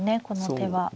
この手は。